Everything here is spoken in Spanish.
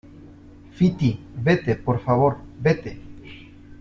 Fiti, vete , por favor. vete .